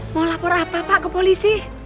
mau lapor apa pak ke polisi